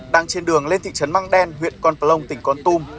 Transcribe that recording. đang trên đường lên thị trấn măng đen huyện con plong tỉnh con tum